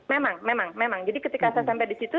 memang memang jadi ketika saya sampai di situ